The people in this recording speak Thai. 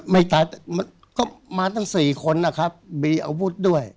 ตายก็มาตั้ง๔คนนะครับมีอาวุธด้วย